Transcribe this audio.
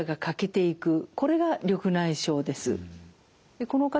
これが緑内障です。